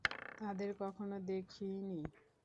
তাদের কখনো দেখিইনি।